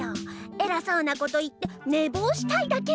えらそうなこと言ってねぼうしたいだけじゃない。